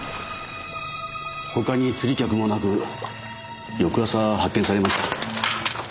他に釣り客もなく翌朝発見されました。